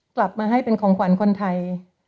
กลับมาให้เป็นของขวัญคนไทย